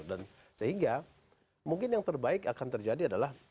dan sehingga mungkin yang terbaik akan terjadi adalah